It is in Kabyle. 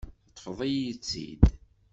Teṭṭfeḍ-iyi-tt-id.